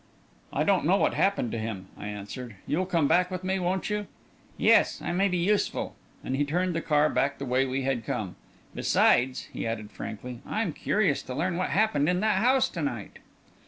"I don't know what happened to him," I answered. "You'll come back with me, won't you?" "Yes; I may be useful," and he turned the car back the way we had come. "Besides," he added, frankly, "I'm curious to learn what happened in that house to night."